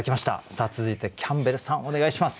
さあ続いてキャンベルさんお願いします。